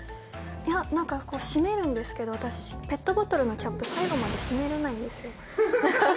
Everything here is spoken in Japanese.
いや、なんか閉めるんですけど、私、ペットボトルのキャップ、最後まで閉めれないんですよ。